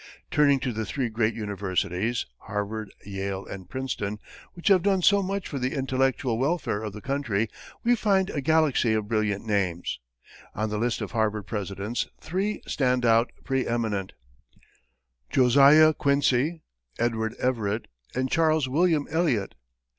Turning to the three great universities, Harvard, Yale, and Princeton, which have done so much for the intellectual welfare of the country, we find a galaxy of brilliant names. On the list of Harvard presidents, three stand out pre eminent Josiah Quincy, Edward Everett, and Charles William Eliot.